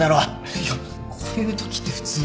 いやこういうときって普通。